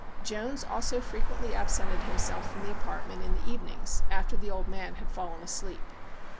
Jones also frequently absented himself from the apartment in the evenings after the old man had fallen asleep.